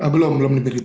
belum belum diberitahu